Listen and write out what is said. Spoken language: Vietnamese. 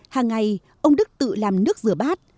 hàng ngày ông đức tự làm nước rửa bát